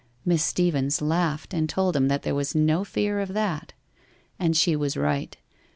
Miss Stee vens laughed and told him that there was no fear of that. And she was right.